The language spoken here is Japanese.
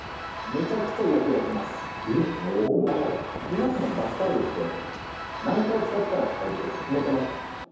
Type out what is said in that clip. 「皆さんバスタオルって何回使ったら替えるとか決めてますか？」